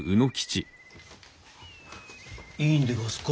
いいんでがすか？